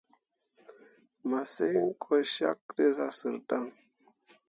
Massǝŋ ko syak tǝ zah sǝrri dan.